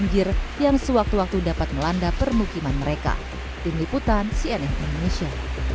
jangan lupa like share dan subscribe ya